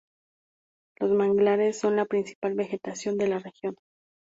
Los manglares son la principal vegetación de la región.